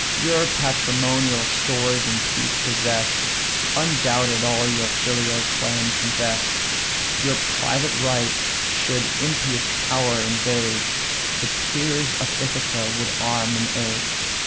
Your patrimonial stores in peace possess; Undoubted, all your filial claim confess: Your private right should impious power invade, The peers of Ithaca would arm in aid.